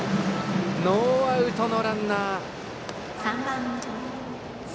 ノーアウトのランナー。